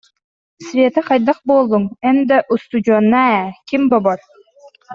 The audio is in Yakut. Света, хайдах буоллуҥ, эн да устудьуоннаа ээ, ким бобор